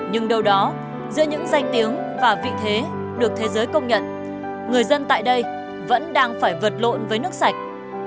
nhưng đâu đó giữa những danh tiếng và vị thế được thế giới công nhận người dân tại đây vẫn đang phải vật lộn với nước sạch